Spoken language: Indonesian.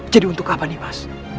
jadi untuk apa nimas